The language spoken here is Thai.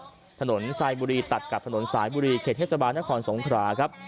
เรียบถนนทรายบุรีตัดกับถนนสายบุรีเขตเฮซาบานฮสมขลาครับ